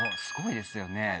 すごいですよね